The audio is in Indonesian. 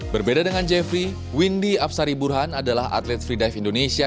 berbeda dengan jeffrey windy apsari burhan adalah atlet freedive indonesia